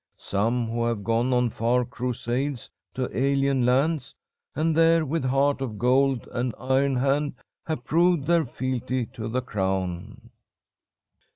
Some, who have gone on far crusades to alien lands, and there with heart of gold and iron hand have proved their fealty to the Crown.'